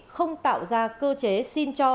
không tạo ra cơ chế xin cho